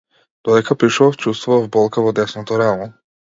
Додека пишував чуствував болка во десното рамо.